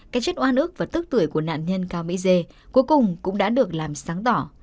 các chất oan ước và tức tuổi của nạn nhân cao vy dê cuối cùng cũng đã được làm sáng tỏ